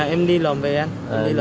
em đi lòng về anh